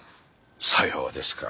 さようですか。